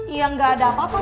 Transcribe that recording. ya gak ada apa apa